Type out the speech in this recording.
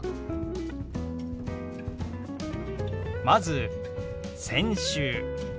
まず「先週」。